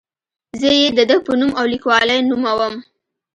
زه یې د ده په نوم او لیکلوالۍ نوموم.